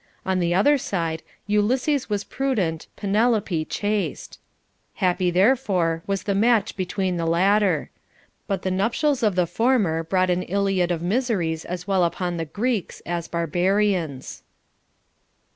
On the other side, Ulysses was prudent, Penelope chaste. Happy there fore was the match between the latter ; but the nuptials of the former brought an Iliad of miseries as well upon the Greeks as barbarians.